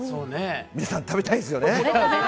皆さん、食べたいですよね。